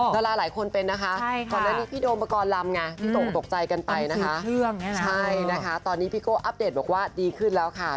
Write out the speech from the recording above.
นราหลายคนเป็นนะคะพี่โดมกรรมไงที่ตกตกใจกันไปนะคะใช่ค่ะตอนนี้พี่โก้อัปเดตบอกว่าดีขึ้นแล้วค่ะ